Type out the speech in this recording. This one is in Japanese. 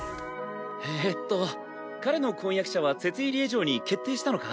えっと彼の婚約者はツェツィーリエ嬢に決定したのか？